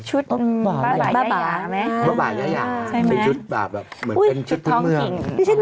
ชุดบ้าบาอยาเปล่าหรือเปล่าหรือไหมคะใช่ไหมอุ๊ยชุดทองกิ่ง